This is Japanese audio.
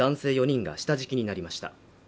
４人が下敷きになりました